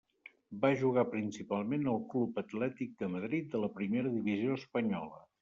Va jugar principalment al Club Atlètic de Madrid de la Primera Divisió espanyola.